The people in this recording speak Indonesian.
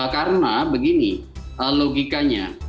karena begini logikanya